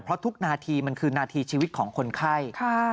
เพราะทุกนาทีมันคือนาทีชีวิตของคนไข้